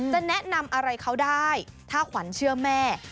จะแนะนำอะไรเขาได้ถ้าขวัญเชื่อแม่